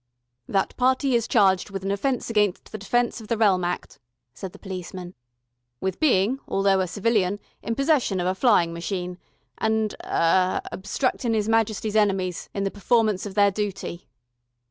"That party is charged with an offence against the Defence of the Realm Act," said the policeman, "with being, although a civilian, in possession of a flying machine, and er obstructin' 'Is Majesty's enemies in the performance of their dooty."